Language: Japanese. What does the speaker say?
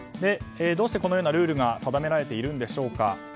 どうしてこのようなルールが定められているんでしょうか。